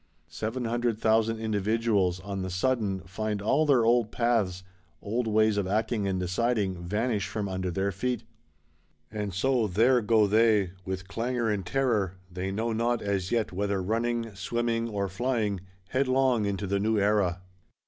Seven hundred thousand individuals, on the sudden, find all their old paths, old ways of acting and deciding, vanish from under their feet. And so there go they, with clangour and terror, they know not as yet whether running, swimming or flying,—headlong into the New Era.